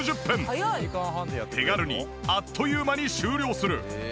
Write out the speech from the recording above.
手軽にあっという間に終了する。